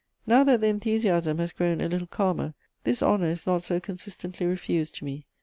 Now that the enthusiasm has grown a little calmer this honour is not so consistently refused to me.